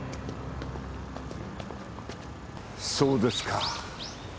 そうですか。